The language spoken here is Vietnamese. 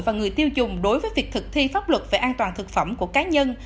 và người tiêu dùng đối với việc thực thi pháp luật về an toàn thực phẩm của cá nhân